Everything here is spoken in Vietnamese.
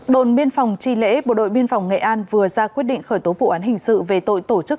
đồn biên phòng tri lễ bộ đội biên phòng nghệ an vừa ra quyết định khởi tố vụ án hình sự về tội tổ chức